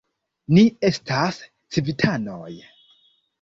Ni estas civitanoj.